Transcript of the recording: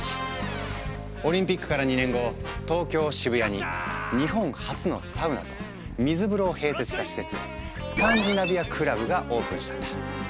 オリンピックから２年後東京・渋谷に日本初のサウナと水風呂を併設した施設「スカンジナビアクラブ」がオープンしたんだ。